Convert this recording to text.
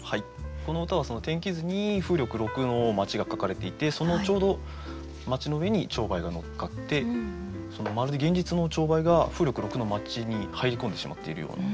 この歌は天気図に風力６の町が描かれていてそのちょうど町の上にチョウバエが乗っかってまるで現実のチョウバエが風力６の町に入り込んでしまっているような。